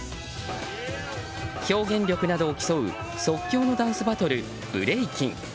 表現力などを競う即興のダンスバトルブレイキン。